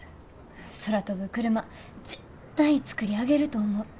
空飛ぶクルマ絶対作り上げると思う。